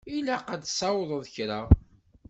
Ilaq ad tesweḍ kra.